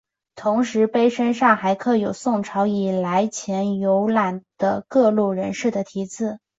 同时碑身上还刻有宋朝以后前来游览的各路人士的题字。